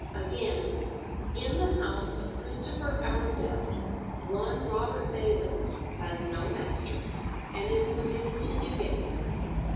Again, "in the house of Christopher Arundell one Robert Bayley: has no master, and is committed to Newgate."